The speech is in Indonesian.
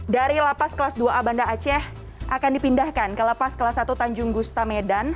dari lapas kelas dua a banda aceh akan dipindahkan ke lapas kelas satu tanjung gustamedan